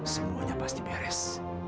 semuanya pasti beres